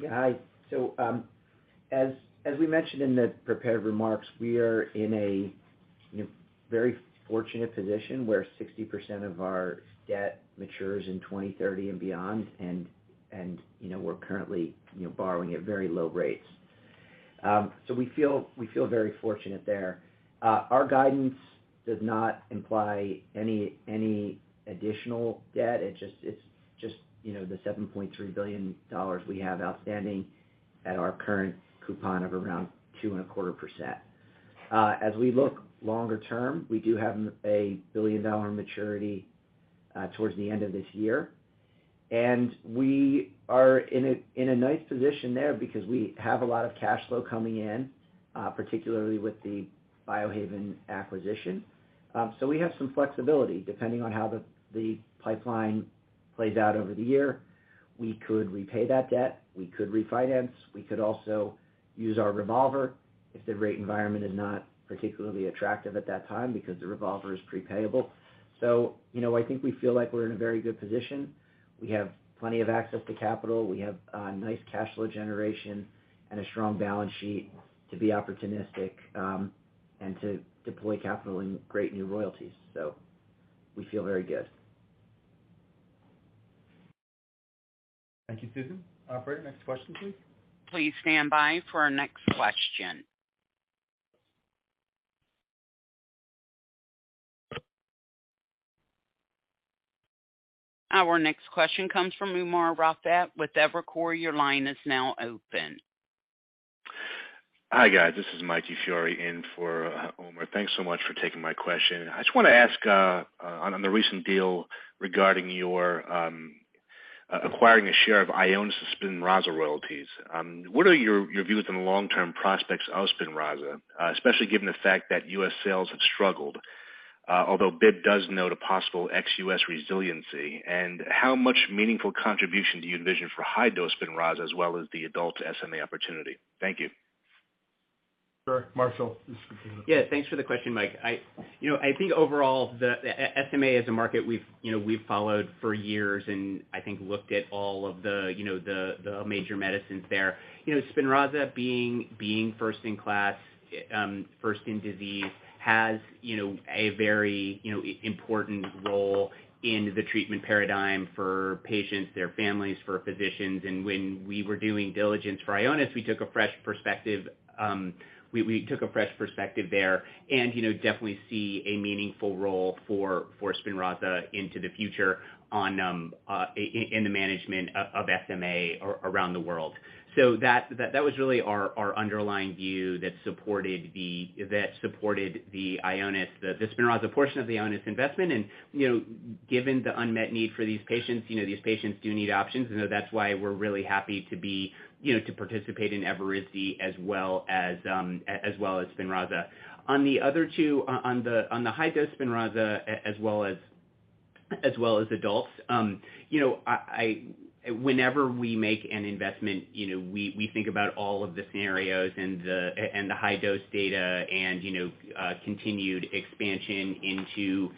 Yeah. Hi. As we mentioned in the prepared remarks, we are in a, you know, very fortunate position where 60% of our debt matures in 2030 and beyond, and, you know, we're currently, you know, borrowing at very low rates. We feel very fortunate there. Our guidance does not imply any additional debt. It's just, you know, the $7.3 billion we have outstanding at our current coupon of around 2.25%. As we look longer term, we do have a billion-dollar maturity towards the end of this year. We are in a nice position there because we have a lot of cash flow coming in, particularly with the Biohaven acquisition. We have some flexibility depending on how the pipeline plays out over the year. We could repay that debt, we could refinance, we could also use our revolver if the rate environment is not particularly attractive at that time because the revolver is pre-payable. You know, I think we feel like we're in a very good position. We have plenty of access to capital. We have nice cash flow generation and a strong balance sheet to be opportunistic and to deploy capital in great new royalties. We feel very good. Thank you, Susan. Operator, next question, please. Please stand by for our next question. Our next question comes from Umer Raffat with Evercore. Your line is now open. Hi, guys. This is Michael DiFiore in for Umer. Thanks so much for taking my question. I just wanna ask on the recent deal regarding your acquiring a share of Ionis SPINRAZA royalties. What are your views on the long-term prospects of SPINRAZA, especially given the fact that U.S. sales have struggled, although Bib does note a possible ex-U.S. resiliency? How much meaningful contribution do you envision for high-dose SPINRAZA as well as the adult SMA opportunity? Thank you. Sure. Marshall, just continue. Yeah, thanks for the question, Mike. you know, I think overall, the SMA is a market we've, you know, we've followed for years and I think looked at all of the, you know, the major medicines there. You know, SPINRAZA being first in class, first in disease, has, you know, a very, you know, important role in the treatment paradigm for patients, their families, for physicians. When we were doing diligence for Ionis, we took a fresh perspective, we took a fresh perspective there and, you know, definitely see a meaningful role for SPINRAZA into the future on in the management of SMA around the world. So that was really our underlying view that supported the Ionis, the SPINRAZA portion of the Ionis investment. You know, given the unmet need for these patients, you know, these patients do need options, and that's why we're really happy to be, you know, to participate in Evrysdi as well as Spinraza. On the other two, on the high-dose Spinraza as well as adults, you know, whenever we make an investment, you know, we think about all of the scenarios and the high-dose data and, you know, continued expansion into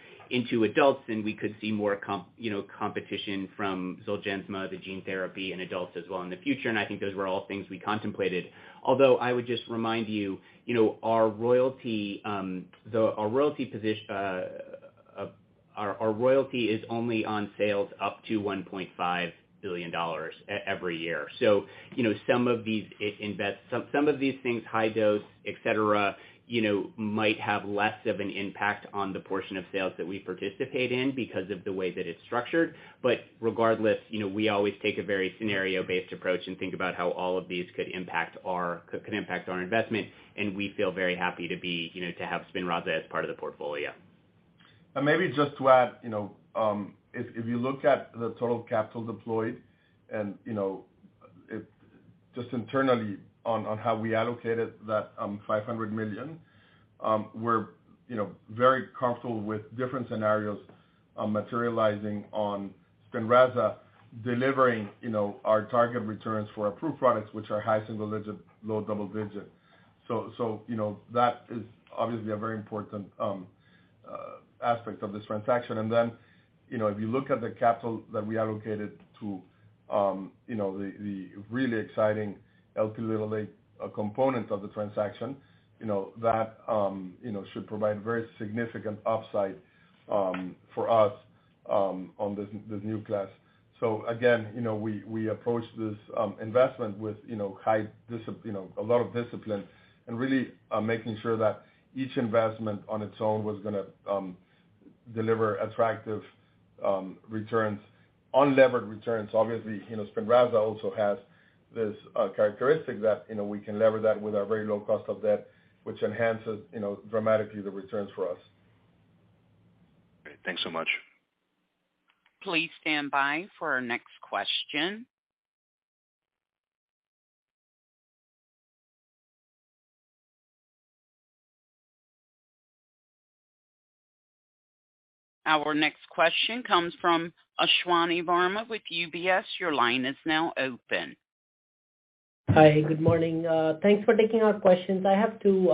adults, and we could see more you know, competition from Zolgensma, the gene therapy in adults as well in the future. I think those were all things we contemplated. Although I would just remind you know, our royalty, our royalty. Our, our royalty is only on sales up to $1.5 billion every year. You know, some of these things, high dose, et cetera, you know, might have less of an impact on the portion of sales that we participate in because of the way that it's structured. Regardless, you know, we always take a very scenario-based approach and think about how all of these could impact our investment, and we feel very happy to be, you know, to have SPINRAZA as part of the portfolio. Maybe just to add, you know, if you look at the total capital deployed and, you know, just internally on how we allocated that $500 million, we're, you know, very comfortable with different scenarios, materializing on SPINRAZA delivering, you know, our target returns for approved products, which are high single-digit, low double-digit. That is obviously a very important aspect of this transaction. Then, you know, if you look at the capital that we allocated to, you know, the really exciting LQJ230 component of the transaction, you know, that, you know, should provide very significant upside for us on this new class. Again, you know, we approach this investment with, you know, high you know, a lot of discipline and really making sure that each investment on its own was gonna deliver attractive returns, unlevered returns. Obviously, you know, SPINRAZA also has this characteristic that, you know, we can lever that with our very low cost of debt, which enhances, you know, dramatically the returns for us. Great. Thanks so much. Please stand by for our next question. Our next question comes from Ashwani Verma with UBS. Your line is now open. Hi. Good morning. Thanks for taking our questions. I have two,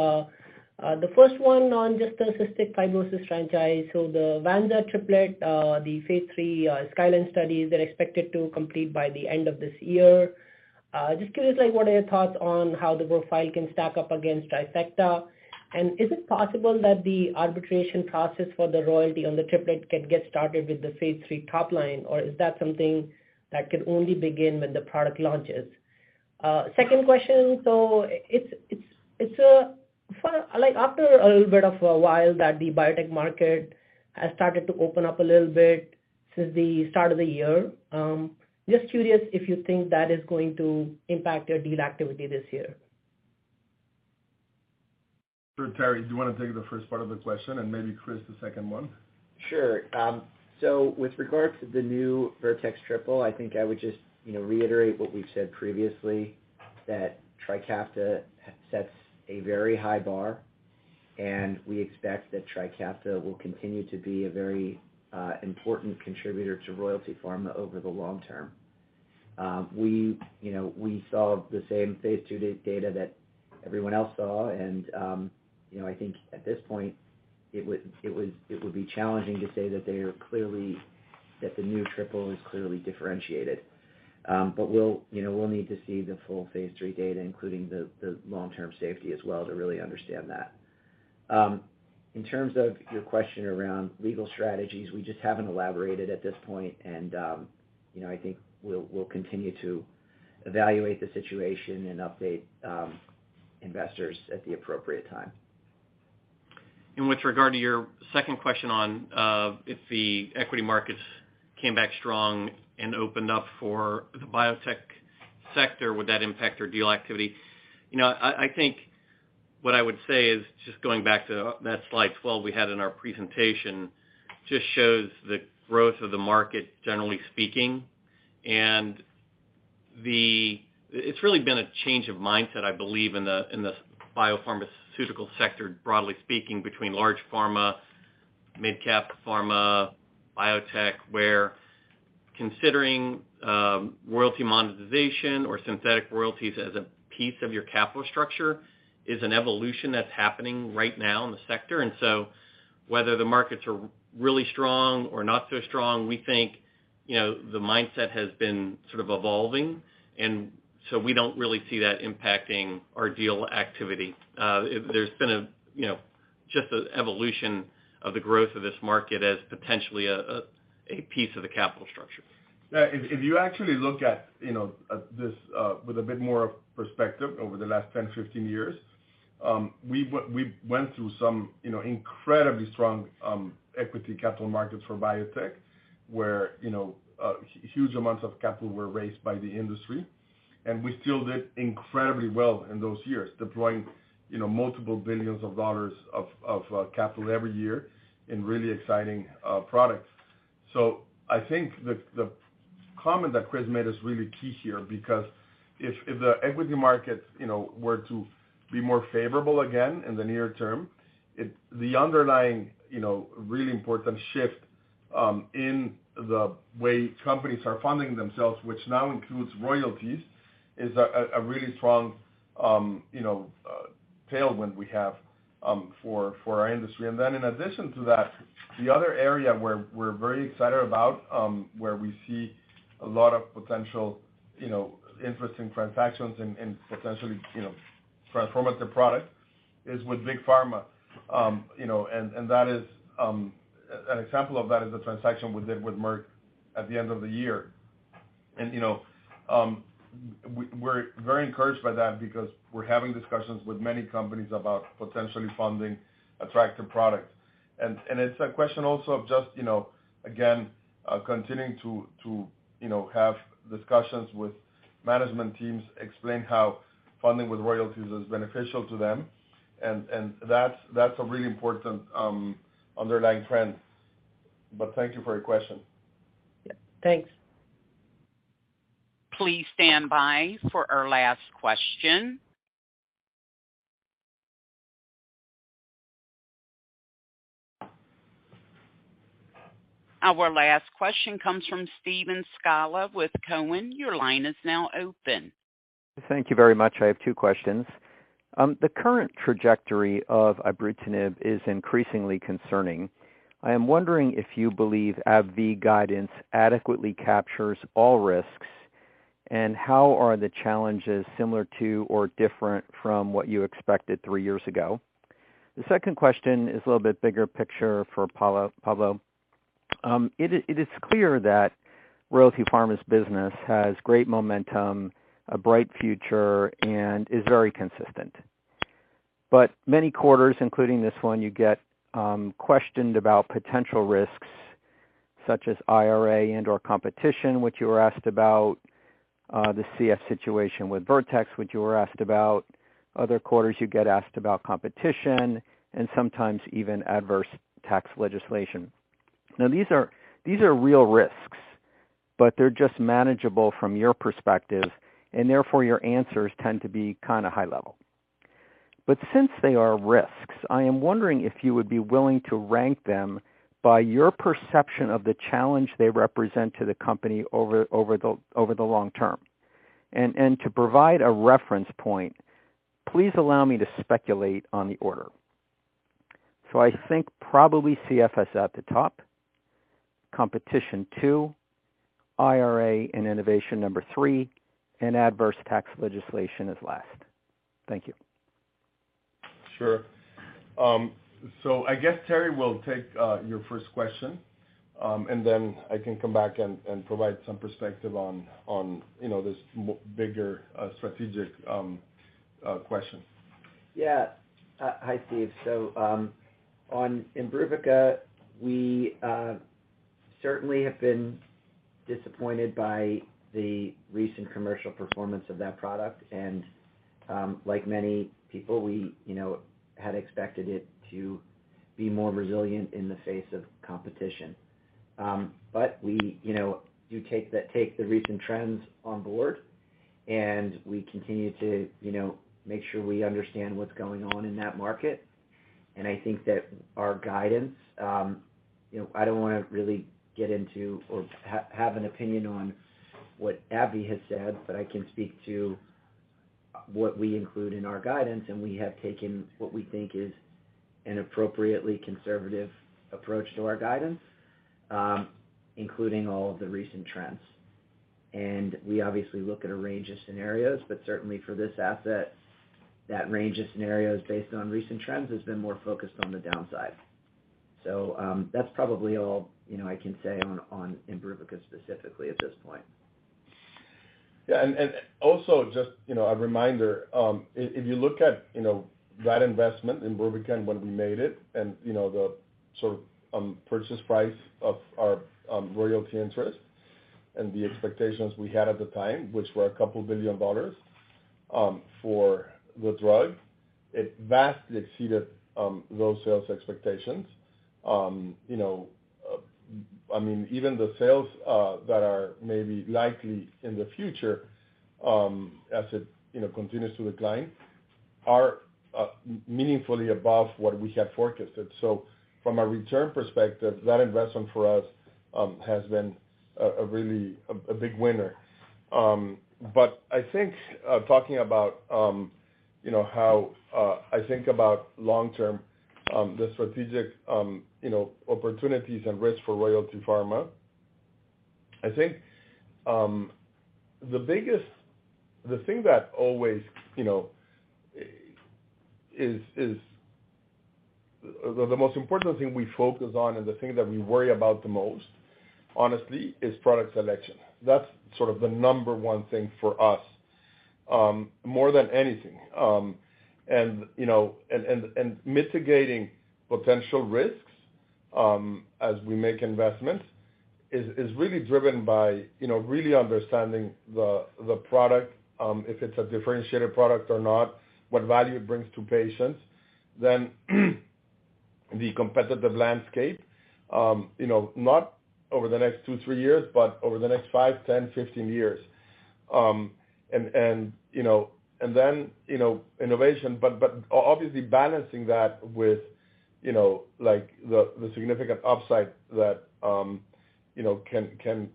the first one on just the cystic fibrosis franchise. The vanza-triple, the Phase 3 HORIZON studies are expected to complete by the end of this year. Just curious, like what are your thoughts on how the profile can stack up against Trikafta? Is it possible that the arbitration process for the royalty on the triplet can get started with the phase 3 top line, or is that something that can only begin when the product launches? Second question. It's for like after a little bit of a while that the biotech market has started to open up a little bit since the start of the year, just curious if you think that is going to impact your deal activity this year. Sure. Terry, do you wanna take the first part of the question and maybe Chris, the second one? Sure. With regards to the new Vertex triple, I think I would just, you know, reiterate what we've said previously that TRIKAFTA sets a very high bar, and we expect that TRIKAFTA will continue to be a very important contributor to Royalty Pharma over the long term. We, you know, we saw the same Phase 2 data that everyone else saw and, you know, I think at this point it would be challenging to say that the new triple is clearly differentiated. We'll, you know, we'll need to see the full Phase 3 data, including the long-term safety as well, to really understand that. In terms of your question around legal strategies, we just haven't elaborated at this point and, you know, I think we'll continue to evaluate the situation and update investors at the appropriate time. With regard to your second question on, if the equity markets came back strong and opened up for the biotech sector, would that impact your deal activity? You know, I think what I would say is just going back to that Slide 12 we had in our presentation just shows the growth of the market, generally speaking. It's really been a change of mindset, I believe in the biopharmaceutical sector, broadly speaking, between large pharma, mid-cap pharma, biotech, where considering, royalty monetization or synthetic royalties as a piece of your capital structure is an evolution that's happening right now in the sector. Whether the markets are really strong or not so strong, we think, you know, the mindset has been sort of evolving, and so we don't really see that impacting our deal activity. There's been a, you know, just an evolution of the growth of this market as potentially a piece of the capital structure. Yeah. If, if you actually look at, you know, this with a bit more perspective over the last 10, 15 years, we went through some, you know, incredibly strong equity capital markets for biotech where, you know, huge amounts of capital were raised by the industry, and we still did incredibly well in those years deploying, you know, multiple billions of dollars of capital every year in really exciting products. I think the comment that Chris made is really key here, because if the equity markets, you know, were to be more favorable again in the near term, the underlying, you know, really important shift in the way companies are funding themselves, which now includes royalties, is a really strong, you know, tailwind we have for our industry. In addition to that, the other area where we're very excited about, where we see a lot of potential, you know, interesting transactions and potentially transformative product is with big pharma. An example of that is the transaction we did with Merck at the end of the year. We're very encouraged by that because we're having discussions with many companies about potentially funding attractive products. It's a question also of just continuing to have discussions with management teams, explain how funding with royalties is beneficial to them. That's a really important underlying trend. Thank you for your question. Yeah. Thanks. Please stand by for our last question. Our last question comes from Steve Scala with Cowen. Your line is now open. Thank you very much. I have two questions. The current trajectory of ibrutinib is increasingly concerning. I am wondering if you believe AbbVie guidance adequately captures all risks, and how are the challenges similar to or different from what you expected three years ago? The second question is a little bit bigger picture for Pablo. It is clear that Royalty Pharma's business has great momentum, a bright future, and is very consistent. Many quarters, including this one, you get questioned about potential risks such as IRA and/or competition, which you were asked about, the CF situation with Vertex, which you were asked about. Other quarters, you get asked about competition and sometimes even adverse tax legislation. These are real risks, but they're just manageable from your perspective, and therefore, your answers tend to be kinda high level. Since they are risks, I am wondering if you would be willing to rank them by your perception of the challenge they represent to the company over the long term. To provide a reference point, please allow me to speculate on the order. I think probably CFS at the top, competition two, IRA and innovation number thrree, and adverse tax legislation is last. Thank you. Sure. I guess Terry will take your first question, then I can come back and provide some perspective on, you know, this bigger strategic question. Hi, Steve. On IMBRUVICA, we certainly have been disappointed by the recent commercial performance of that product. Like many people, we, you know, had expected it to be more resilient in the face of competition. We, you know, do take the recent trends on board, we continue to, you know, make sure we understand what's going on in that market. I think that our guidance, you know, I don't wanna really get into or have an opinion on what AbbVie has said, I can speak to what we include in our guidance, we have taken what we think is an appropriately conservative approach to our guidance, including all of the recent trends. We obviously look at a range of scenarios, but certainly for this asset, that range of scenarios based on recent trends has been more focused on the downside. That's probably all, you know, I can say on IMBRUVICA specifically at this point. Yeah. Also just, you know, a reminder, if you look at, you know, that investment, IMBRUVICA, and when we made it and, you know, the sort of purchase price of our royalty interest and the expectations we had at the time, which were $2 billion for the drug, it vastly exceeded those sales expectations. You know, I mean, even the sales that are maybe likely in the future, as it, you know, continues to decline, are meaningfully above what we had forecasted. From a return perspective, that investment for us has been a really big winner. I think, talking about, you know, how, I think about long term, the strategic, you know, opportunities and risks for Royalty Pharma, I think, the biggest thing that always, you know, is the most important thing we focus on and the thing that we worry about the most, honestly, is product selection. That's sort of the number one thing for us, more than anything. You know, and mitigating potential risks, as we make investments is really driven by, you know, really understanding the product, if it's a differentiated product or not, what value it brings to patients. Then the competitive landscape, you know, not over the next two, three years, but over the next five, 10, 15 years. You know, and then, you know, innovation, but obviously balancing that with, you know, like, the significant upside that, you know, can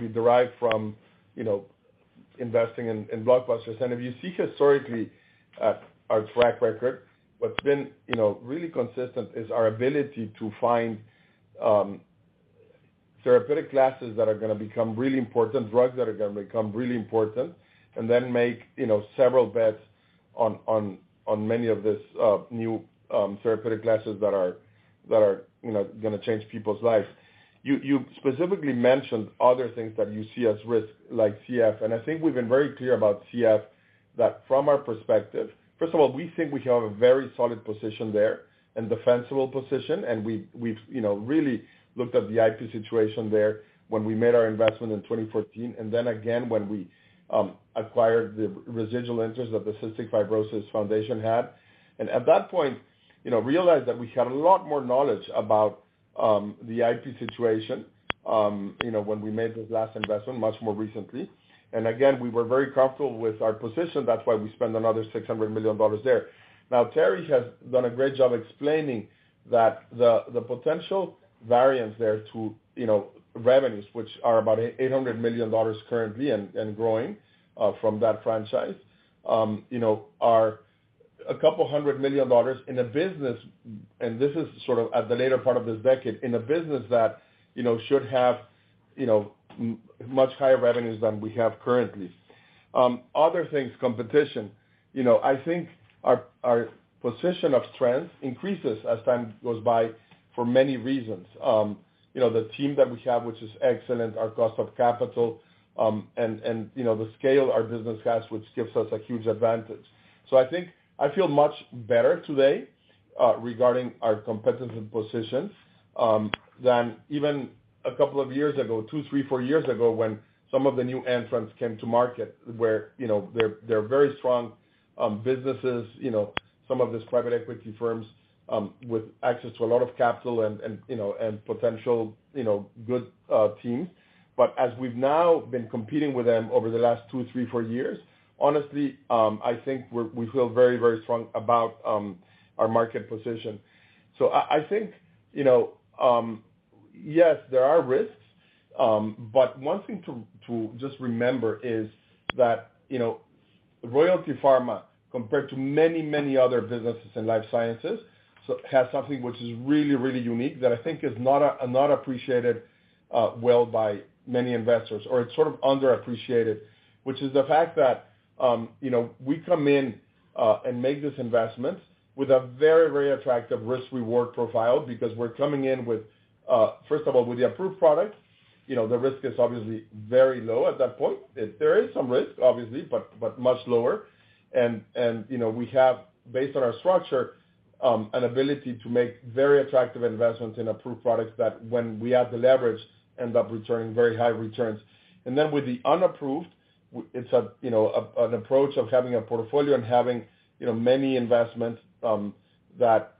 be derived from, you know, investing in blockbusters. If you see historically at our track record, what's been, you know, really consistent is our ability to find therapeutic classes that are gonna become really important, drugs that are gonna become really important and then make, you know, several bets on many of these new therapeutic classes that are, you know, gonna change people's lives. You specifically mentioned other things that you see as risks like CF, and I think we've been very clear about CF that from our perspective. First of all, we think we have a very solid position there and defensible position. We've, you know, really looked at the IP situation there when we made our investment in 2014 and then again when we acquired the residual interest that the Cystic Fibrosis Foundation had. At that point, you know, realized that we had a lot more knowledge about the IP situation, you know, when we made this last investment much more recently. Again, we were very comfortable with our position. That's why we spent another $600 million there. Now, Terry has done a great job explaining that the potential variance there to, you know, revenues, which are about $800 million currently and growing from that franchise, you know, are $200 million in a business, and this is sort of at the later part of this decade, in a business that, you know, should have, you know, much higher revenues than we have currently. Other things, competition. You know, I think our position of strength increases as time goes by for many reasons. You know, the team that we have, which is excellent, our cost of capital, and, you know, the scale our business has, which gives us a huge advantage. I think I feel much better today regarding our competitive position than even a couple of years ago, two, three, four years ago, when some of the new entrants came to market where, you know, they're very strong businesses. You know, some of these private equity firms with access to a lot of capital and, you know, and potential, you know, good teams. But as we've now been competing with them over the last two, three, four years, honestly, I think we feel very, very strong about our market position. I think, you know, yes, there are risks. One thing to just remember is that, you know, Royalty Pharma, compared to many other businesses in life sciences, so has something which is really unique that I think is not appreciated well by many investors or it's sort of underappreciated, which is the fact that, you know, we come in and make this investment with a very, very attractive risk-reward profile because we're coming in with, first of all, with the approved product. You know, the risk is obviously very low at that point. There is some risk obviously, but much lower. You know, we have, based on our structure, an ability to make very attractive investments in approved products that when we add the leverage end up returning very high returns. With the unapproved, it's a, you know, an approach of having a portfolio and having, you know, many investments that,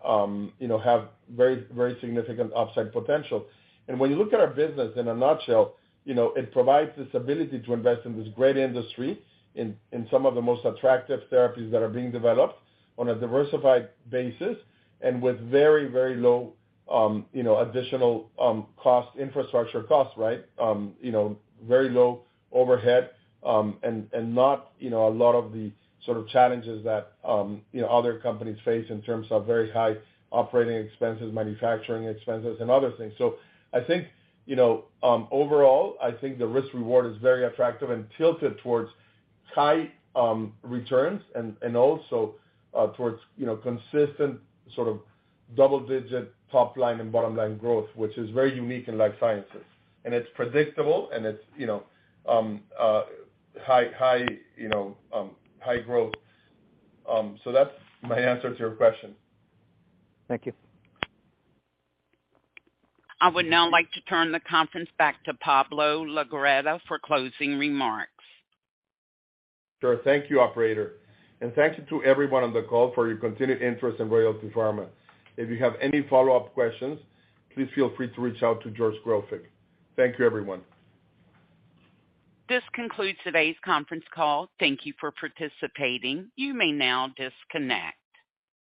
you know, have very, very significant upside potential. When you look at our business in a nutshell, you know, it provides this ability to invest in this great industry in some of the most attractive therapies that are being developed on a diversified basis and with very, very low, you know, additional, cost, infrastructure costs, right? You know, very low overhead, and not, you know, a lot of the sort of challenges that, you know, other companies face in terms of very high operating expenses, manufacturing expenses, and other things. I think, you know, overall, I think the risk-reward is very attractive and tilted towards high returns and also, towards, you know, consistent sort of double-digit top line and bottom line growth, which is very unique in life sciences. It's predictable and it's, you know, high, you know, high growth. That's my answer to your question. Thank you. I would now like to turn the conference back to Pablo Legorreta for closing remarks. Sure. Thank you, operator, thank you to everyone on the call for your continued interest in Royalty Pharma. If you have any follow-up questions, please feel free to reach out to George Grofik. Thank you, everyone. This concludes today's conference call. Thank you for participating. You may now disconnect.